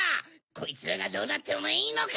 コイツらがどうなってもいいのか！